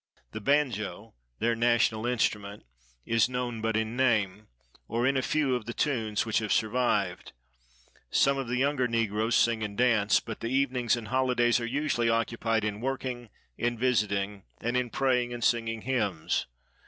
The banjo, their national instrument, is known but in name, or in a few of the tunes which have survived. Some of the younger negroes sing and dance, but the evenings and holidays are usually occupied in working, in visiting, and in praying and singing hymns.